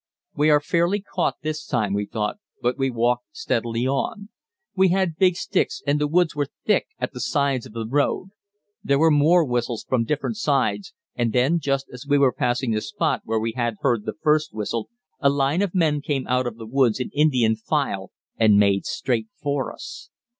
We are fairly caught this time, we thought, but we walked steadily on. We had big sticks and the woods were thick at the sides of the road. There were more whistles from different sides, and then just as we were passing the spot where we had heard the first whistle a line of men came out of the woods in Indian file and made straight for us.